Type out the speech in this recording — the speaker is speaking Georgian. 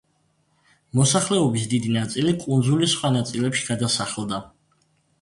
მოსახლეობის დიდი ნაწილი კუნძულის სხვა ნაწილებში გადასახლდა.